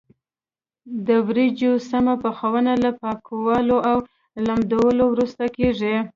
د وریجو سمه پخونه له پاکولو او لمدولو وروسته کېږي.